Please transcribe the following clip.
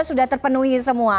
sudah terpenuhi semua